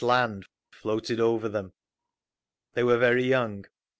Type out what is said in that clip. Land!" floated over them. They were very young.